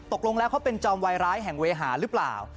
ตกลงแล้วเขาเป็นจอมวายร้ายแห่งเวหาหรือเปล่า